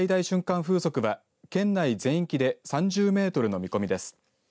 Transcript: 風速は県内全域で３０メートルの見込みです。